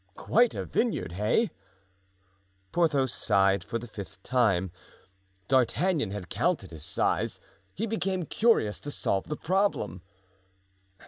"Quite a vineyard, hey?" Porthos sighed for the fifth time—D'Artagnan had counted his sighs. He became curious to solve the problem.